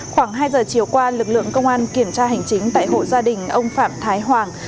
khoảng hai giờ chiều qua lực lượng công an kiểm tra hành chính tại hộ gia đình ông phạm thái hoàng